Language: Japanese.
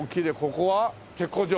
ここは鉄工所？